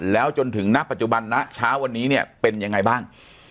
แล้วจนถึงณปัจจุบันนะเช้าวันนี้เนี่ยเป็นยังไงบ้าง